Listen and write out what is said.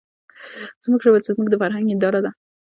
زموږ ژبه چې زموږ د فرهنګ هېنداره ده،